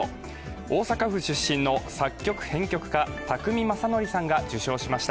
大阪府出身の作曲・編曲家宅見将典さんが受賞しました。